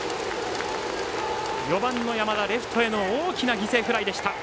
４番の山田、レフトへの大きな犠牲フライでした。